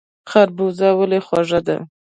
خربوزه ولې خوږه ده؟